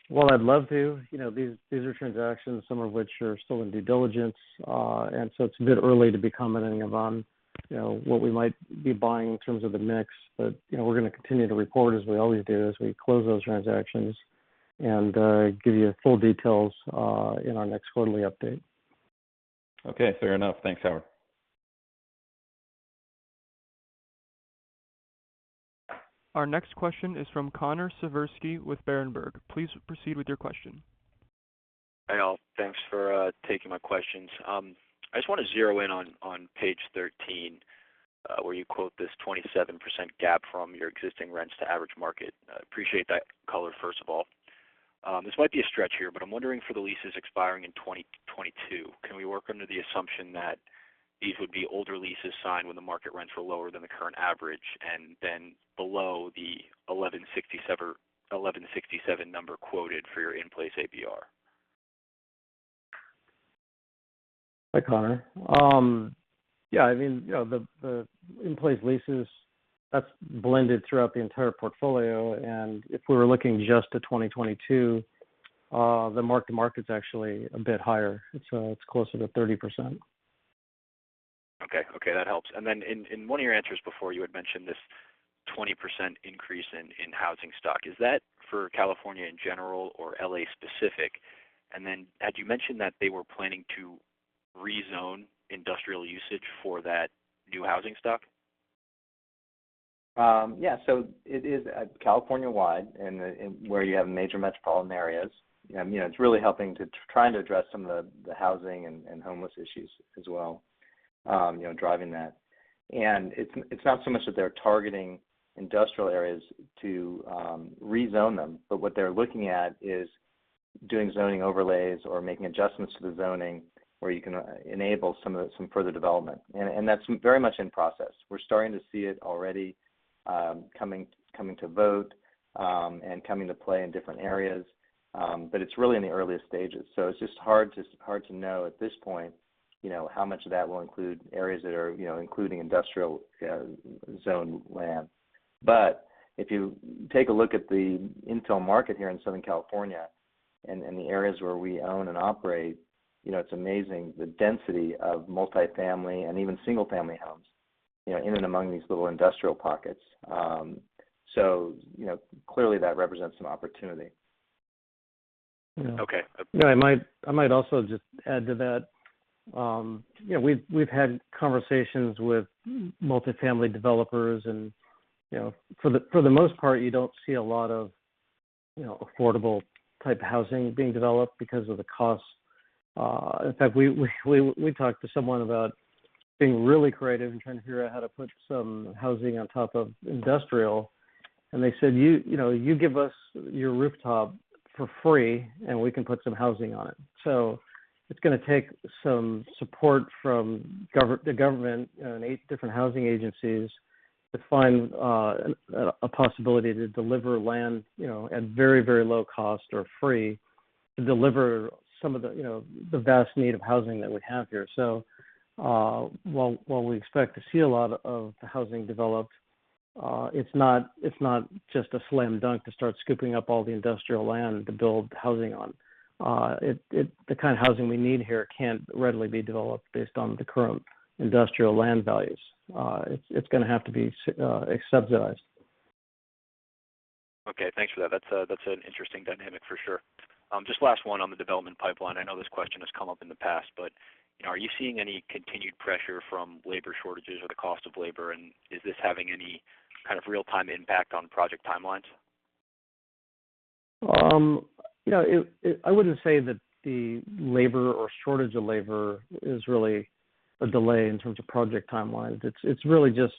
While I'd love to, these are transactions, some of which are still in due diligence. It's a bit early to be commenting on what we might be buying in terms of the mix. We're going to continue to report, as we always do, as we close those transactions, and give you full details in our next quarterly update. Okay, fair enough. Thanks, Howard. Our next question is from Connor Siversky with Berenberg. Please proceed with your question. Hey, all. Thanks for taking my questions. I just want to zero in on page 13, where you quote this 27% gap from your existing rents to average market. Appreciate that color, first of all. This might be a stretch here, but I'm wondering for the leases expiring in 2022, can we work under the assumption that these would be older leases signed when the market rents were lower than the current average, and then below the $1,167 number quoted for your in-place APR? Hi, Connor. Yeah, the in-place leases, that's blended throughout the entire portfolio, and if we were looking just to 2022, the mark-to-market's actually a bit higher. It's closer to 30%. Okay. That helps. In one of your answers before, you had mentioned this 20% increase in housing stock. Is that for California in general, or L.A. specific? Had you mentioned that they were planning to rezone industrial usage for that new housing stock? Yeah. It is California-wide, and where you have major metropolitan areas. It's really helping to try and address some of the housing and homeless issues as well, driving that. It's not so much that they're targeting industrial areas to rezone them, but what they're looking at is doing zoning overlays or making adjustments to the zoning where you can enable some further development. That's very much in process. We're starting to see it already coming to vote, and coming to play in different areas. It's really in the earliest stages, so it's just hard to know at this point how much of that will include areas that are including industrial zoned land. If you take a look at the industrial market here in Southern California and the areas where we own and operate, it's amazing the density of multi-family and even single-family homes in and among these little industrial pockets. Clearly that represents some opportunity. Okay. Yeah, I might also just add to that. We've had conversations with multi-family developers, and for the most part, you don't see a lot of affordable type housing being developed because of the cost. In fact, we talked to someone about being really creative and trying to figure out how to put some housing on top of industrial, and they said, "You give us your rooftop for free, and we can put some housing on it." It's going to take some support from the government and 8 different housing agencies to find a possibility to deliver land at very low cost or free, to deliver some of the vast need of housing that we have here. While we expect to see a lot of the housing developed, it's not just a slam dunk to start scooping up all the industrial land to build housing on. The kind of housing we need here can't readily be developed based on the current industrial land values. It's going to have to be subsidized. Okay, thanks for that. That's an interesting dynamic for sure. Just last one on the development pipeline. I know this question has come up in the past. Are you seeing any continued pressure from labor shortages or the cost of labor? Is this having any kind of real-time impact on project timelines? I wouldn't say that the labor or shortage of labor is really a delay in terms of project timelines. It's really just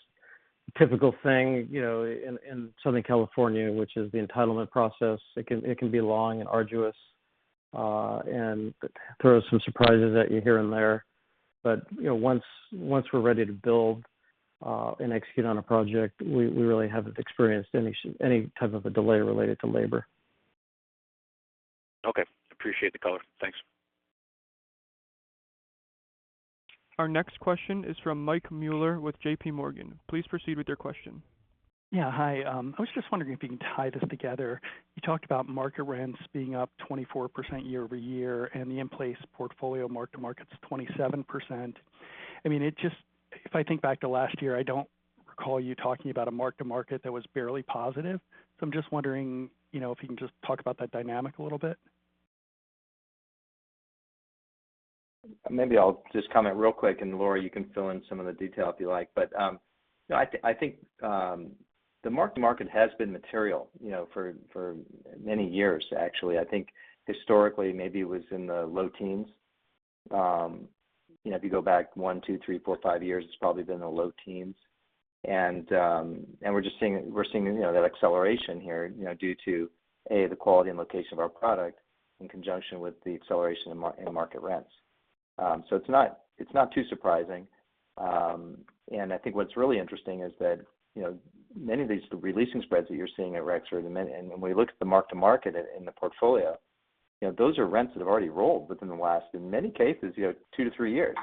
Typical thing in Southern California, which is the entitlement process. It can be long and arduous, and throw some surprises at you here and there. Once we're ready to build and execute on a project, we really haven't experienced any type of a delay related to labor. Okay. Appreciate the color. Thanks. Our next question is from Michael Mueller with JPMorgan. Please proceed with your question. Yeah. Hi. I was just wondering if you can tie this together. You talked about market rents being up 24% year-over-year, and the in-place portfolio mark-to-market's 27%. If I think back to last year, I don't recall you talking about a mark-to-market that was barely positive. I'm just wondering, if you can just talk about that dynamic a little bit. Maybe I'll just comment real quick, and Laurie, you can fill in some of the detail if you like. I think the mark-to-market has been material for many years, actually. I think historically, maybe it was in the low teens. If you go back one, two, three, four, five years, it's probably been the low teens. We're just seeing that acceleration here due to, A, the quality and location of our product in conjunction with the acceleration in market rents. It's not too surprising. I think what's really interesting is that many of these releasing spreads that you're seeing at Rexford, and when we look at the mark-to-market in the portfolio, those are rents that have already rolled within the last, in many cases, two to three years.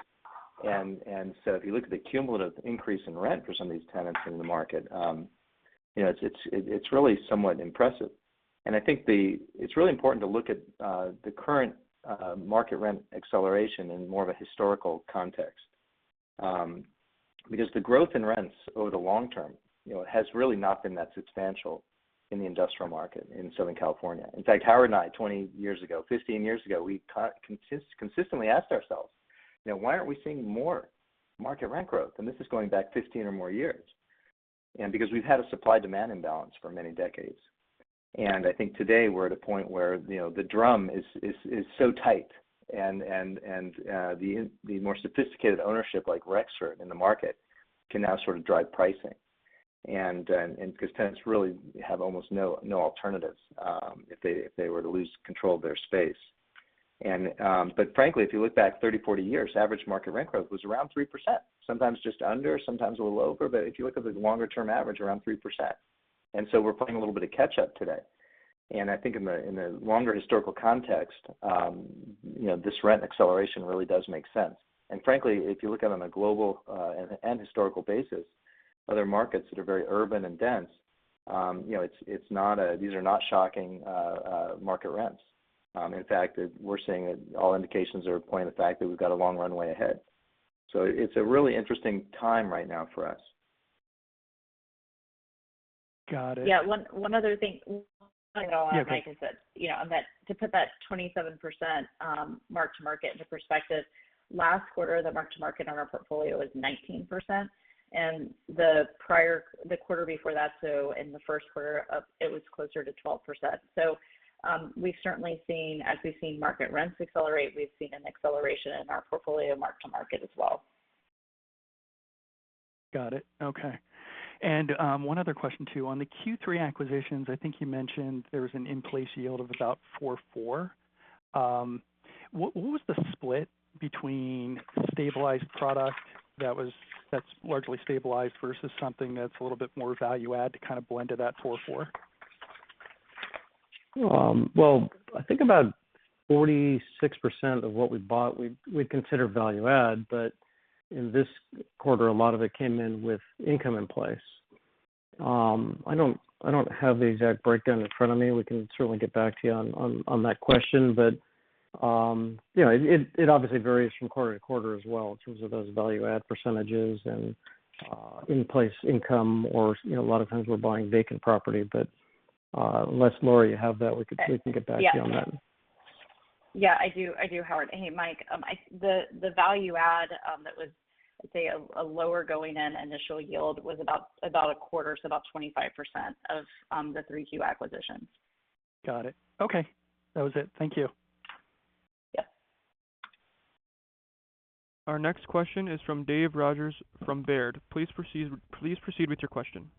If you look at the cumulative increase in rent for some of these tenants in the market, it's really somewhat impressive. I think it's really important to look at the current market rent acceleration in more of a historical context. Because the growth in rents over the long term has really not been that substantial in the industrial market in Southern California. In fact, Howard and I, 20 years ago, 15 years ago, we consistently asked ourselves, "Why aren't we seeing more market rent growth?" This is going back 15 or more years. Because we've had a supply-demand imbalance for many decades. I think today we're at a point where the drum is so tight, and the more sophisticated ownership like Rexford in the market can now sort of drive pricing. Because tenants really have almost no alternatives if they were to lose control of their space. Frankly, if you look back 30, 40 years, average market rent growth was around 3%, sometimes just under, sometimes a little over. If you look at the longer-term average, around 3%. We're playing a little bit of catch up today. I think in the longer historical context, this rent acceleration really does make sense. Frankly, if you look at it on a global and historical basis, other markets that are very urban and dense, these are not shocking market rents. In fact, we're seeing that all indications are pointing to the fact that we've got a long runway ahead. It's a really interesting time right now for us. Got it. Yeah. One other thing to add on, Mike, is that, to put that 27% mark-to-market into perspective, last quarter, the mark-to-market on our portfolio was 19%, and the quarter before that, so in the first quarter, it was closer to 12%. We've certainly seen, as we've seen market rents accelerate, we've seen an acceleration in our portfolio mark-to-market as well. Got it. Okay. One other question, too. On the Q3 acquisitions, I think you mentioned there was an in-place yield of about 4.4%. What was the split between stabilized product that's largely stabilized versus something that's a little bit more value add to kind of blend to that 4.4%? I think about 46% of what we bought we'd consider value add, but in this quarter, a lot of it came in with income in place. I don't have the exact breakdown in front of me. We can certainly get back to you on that question, but it obviously varies from quarter to quarter as well in terms of those value add percentages and in-place income or a lot of times we're buying vacant property. Unless, Laurie, you have that, we can get back to you on that. Yeah, I do, Howard. Hey, Mike. The value add that was, I'd say, a lower going-in initial yield was about a quarter, so about 25% of the 3Q acquisitions. Got it. Okay. That was it. Thank you. Yeah. Our next question is from David Rodgers from Baird. Please proceed with your question.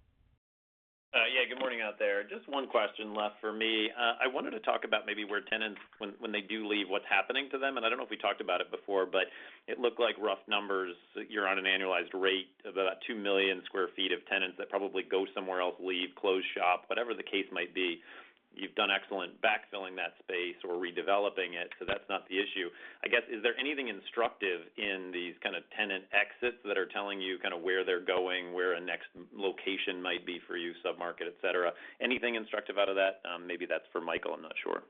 Good morning out there. Just one question left for me. I wanted to talk about maybe where tenants, when they do leave, what's happening to them, and I don't know if we talked about it before, but it looked like rough numbers. You're on an annualized rate of about 2 million sq ft of tenants that probably go somewhere else, leave, close shop, whatever the case might be. You've done excellent backfilling that space or redeveloping it, so that's not the issue. I guess, is there anything instructive in these kind of tenant exits that are telling you kind of where they're going, where a next location might be for you, sub-market, et cetera? Anything instructive out of that? Maybe that's for Michael, I'm not sure.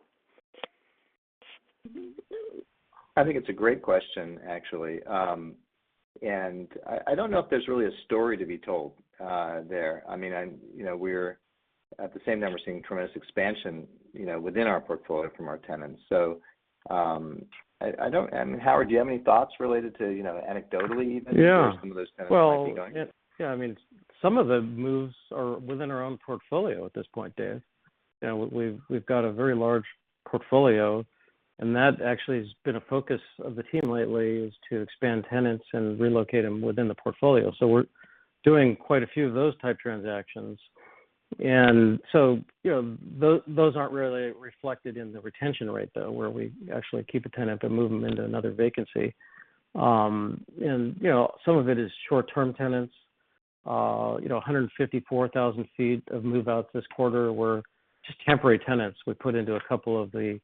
I think it's a great question, actually. I don't know if there's really a story to be told there. At the same time, we're seeing tremendous expansion within our portfolio from our tenants. Howard, do you have any thoughts related to anecdotally. Yeah where some of those tenants might be going? Yeah, some of the moves are within our own portfolio at this point, Dave. We've got a very large portfolio, that actually has been a focus of the team lately, is to expand tenants and relocate them within the portfolio. We're doing quite a few of those type transactions. Those aren't really reflected in the retention rate, though, where we actually keep a tenant but move them into another vacancy. Some of it is short-term tenants. 154,000 feet of move-outs this quarter were just temporary tenants we put into a couple of the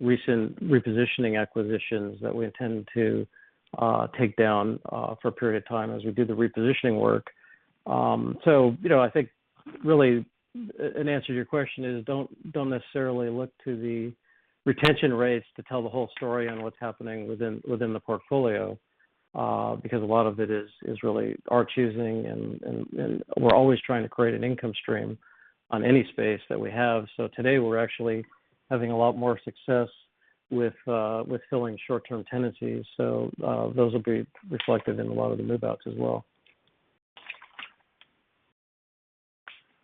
recent repositioning acquisitions that we intend to take down for a period of time as we do the repositioning work. I think really an answer to your question is, don't necessarily look to the retention rates to tell the whole story on what's happening within the portfolio, because a lot of it is really our choosing, and we're always trying to create an income stream on any space that we have. Today, we're actually having a lot more success with filling short-term tenancies, so those will be reflected in a lot of the move-outs as well.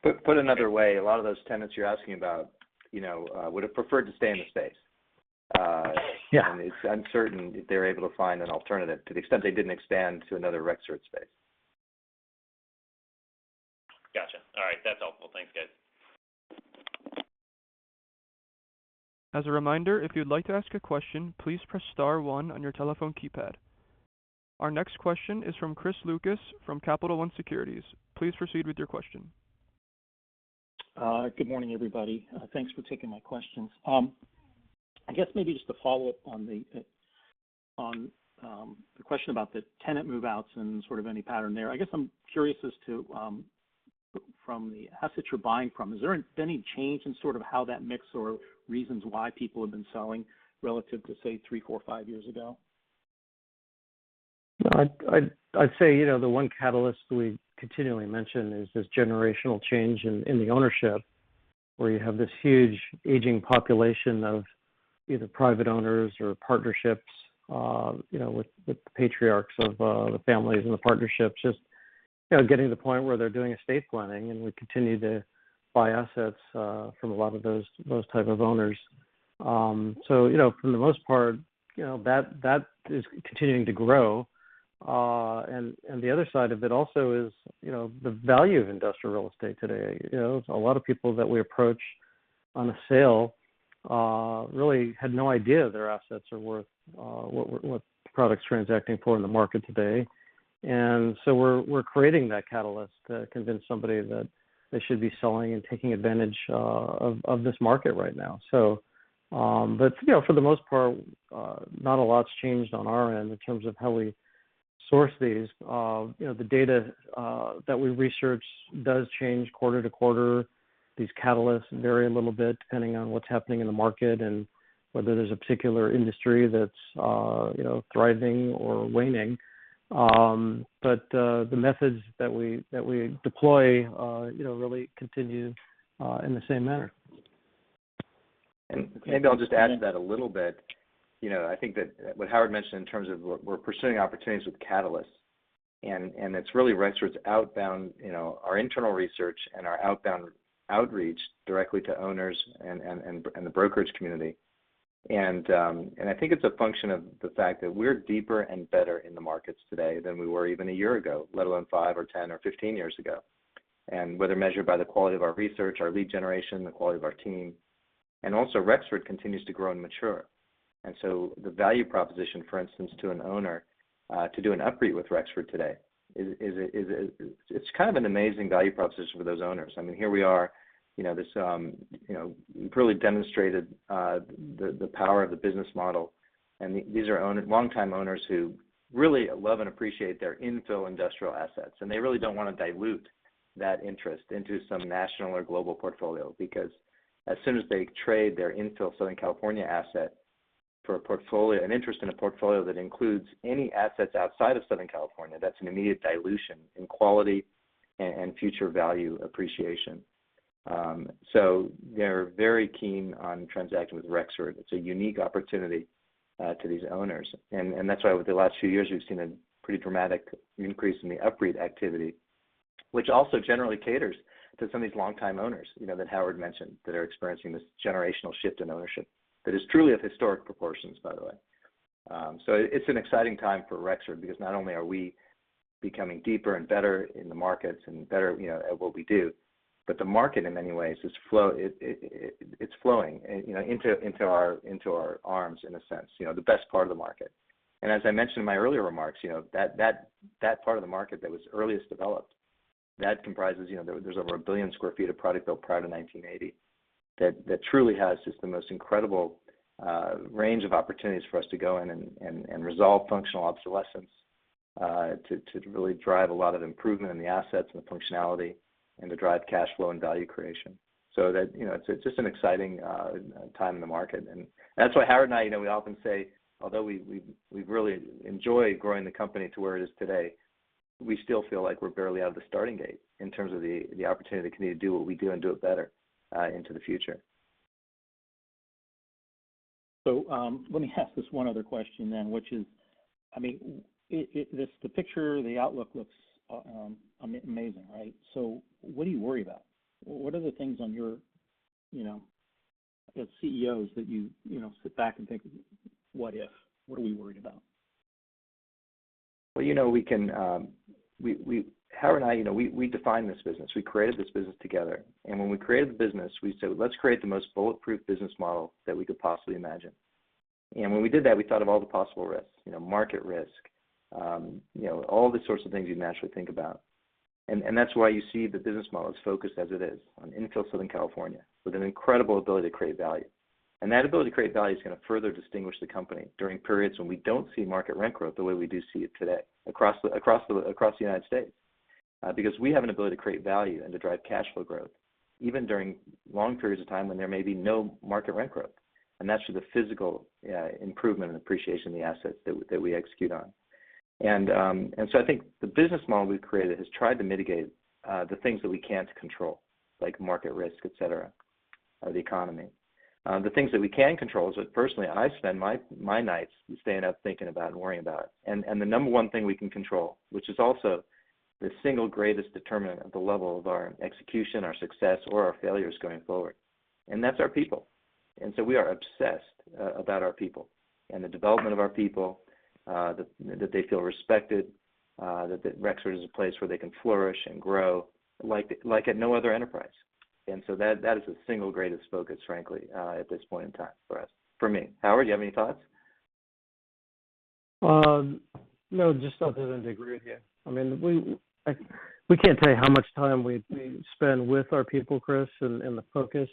Put another way, a lot of those tenants you're asking about would have preferred to stay in the space. Yeah. It's uncertain if they're able to find an alternative to the extent they didn't expand to another Rexford space. Got you. All right. That's helpful. Thanks, guys. As a reminder, if you'd like to ask a question, please press star one on your telephone keypad. Our next question is from Chris Lucas from Capital One Securities. Please proceed with your question. Good morning, everybody. Thanks for taking my questions. I guess maybe just to follow up on the question about the tenant move-outs and sort of any pattern there. I guess I'm curious as to, from the assets you're buying from, is there any change in sort of how that mix or reasons why people have been selling relative to, say, three, four, five years ago? I'd say, the one catalyst we continually mention is this generational change in the ownership where you have this huge aging population of either private owners or partnerships, with patriarchs of the families and the partnerships just getting to the point where they're doing estate planning, and we continue to buy assets from a lot of those type of owners. From the most part, that is continuing to grow. The other side of it also is the value of industrial real estate today. A lot of people that we approach on a sale really had no idea their assets are worth what the product's transacting for in the market today. We're creating that catalyst to convince somebody that they should be selling and taking advantage of this market right now. For the most part, not a lot's changed on our end in terms of how we source these. The data that we research does change quarter to quarter. These catalysts vary a little bit depending on what's happening in the market and whether there's a particular industry that's thriving or waning. The methods that we deploy really continue in the same manner. Maybe I'll just add to that a little bit. I think that what Howard mentioned in terms of we're pursuing opportunities with catalysts, and it's really Rexford's outbound, our internal research and our outbound outreach directly to owners and the brokerage community. I think it's a function of the fact that we're deeper and better in the markets today than we were even one year ago, let alone five or 10 or 15 years ago. Whether measured by the quality of our research, our lead generation, the quality of our team, and also Rexford continues to grow and mature. The value proposition, for instance, to an owner, to do an UPREIT with Rexford today, it's kind of an amazing value proposition for those owners. Here we are, this really demonstrated the power of the business model, and these are longtime owners who really love and appreciate their infill industrial assets. They really don't want to dilute that interest into some national or global portfolio because as soon as they trade their infill Southern California asset for an interest in a portfolio that includes any assets outside of Southern California, that's an immediate dilution in quality and future value appreciation. They're very keen on transacting with Rexford. It's a unique opportunity to these owners. That's why over the last few years, we've seen a pretty dramatic increase in the UPREIT activity, which also generally caters to some of these longtime owners that Howard mentioned that are experiencing this generational shift in ownership. That is truly of historic proportions, by the way. It's an exciting time for Rexford because not only are we becoming deeper and better in the markets and better at what we do, but the market in many ways, it's flowing into our arms in a sense, the best part of the market. As I mentioned in my earlier remarks, that part of the market that was earliest developed, there's over 1 billion square feet of product built prior to 1980 that truly has just the most incredible range of opportunities for us to go in and resolve functional obsolescence, to really drive a lot of improvement in the assets and the functionality, and to drive cash flow and value creation. It's just an exciting time in the market. That's why Howard and I, we often say, although we've really enjoyed growing the company to where it is today, we still feel like we're barely out of the starting gate in terms of the opportunity that we need to do what we do and do it better into the future. Let me ask this one other question then, which is, the picture, the outlook looks amazing, right? What do you worry about? What are the things on your, as CEOs that you sit back and think, what if? What are we worried about? Well, Howard and I, we defined this business. We created this business together. When we created the business, we said, "Let's create the most bulletproof business model that we could possibly imagine." When we did that, we thought of all the possible risks, market risk, all the sorts of things you'd naturally think about. That's why you see the business model as focused as it is on infill Southern California, with an incredible ability to create value. That ability to create value is going to further distinguish the company during periods when we don't see market rent growth the way we do see it today across the United States. Because we have an ability to create value and to drive cash flow growth even during long periods of time when there may be no market rent growth. That's through the physical improvement and appreciation of the assets that we execute on. I think the business model we've created has tried to mitigate the things that we can't control, like market risk, et cetera, or the economy. The things that we can control is what personally I spend my nights staying up thinking about and worrying about. The number one thing we can control, which is also the single greatest determinant of the level of our execution, our success or our failures going forward, and that's our people. We are obsessed about our people and the development of our people, that they feel respected, that Rexford is a place where they can flourish and grow like at no other enterprise. That is the single greatest focus, frankly, at this point in time for us, for me. Howard, do you have any thoughts? Just that I agree with you. We can't tell you how much time we spend with our people, Chris, and the focus,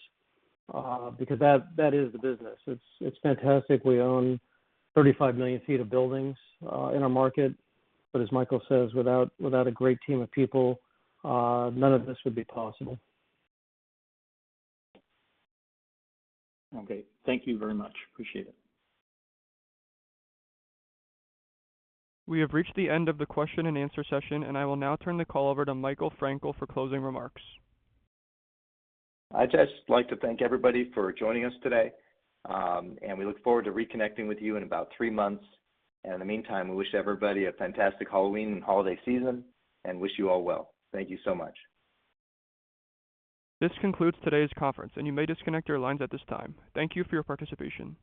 because that is the business. It's fantastic. We own 35 million feet of buildings in our market. As Michael says, without a great team of people, none of this would be possible. Okay. Thank you very much. Appreciate it. We have reached the end of the question and answer session, and I will now turn the call over to Michael Frankel for closing remarks. I'd just like to thank everybody for joining us today. We look forward to reconnecting with you in about 3 months. In the meantime, we wish everybody a fantastic Halloween and holiday season and wish you all well. Thank you so much. This concludes today's conference, and you may disconnect your lines at this time. Thank you for your participation.